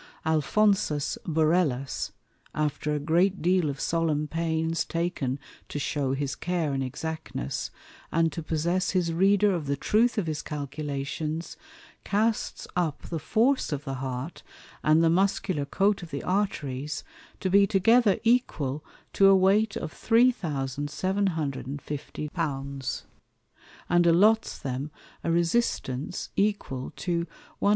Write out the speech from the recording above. Alphonsus Borellus, after a great deal of solemn pains taken to shew his Care and Exactness, and to possess his Reader of the Truth of his Calculations, casts up the force of the Heart, and the Muscular Coat of the Arteries, to be together equal to a weight of 3,750_l._ and allots them a Resistance equal to 180,000_l.